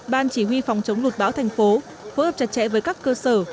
ban chỉ huy phòng chống lụt bão thành phố phối hợp chặt chẽ với các cơ sở